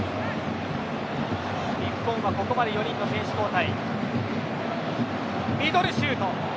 日本はここまで４人の選手交代。